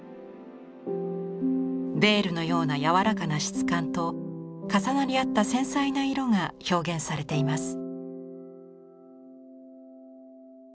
ヴェールのような柔らかな質感と重なり合った繊細な色が表現されています。